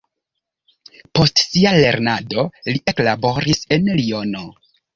Post sia lernado li eklaboris en Liono.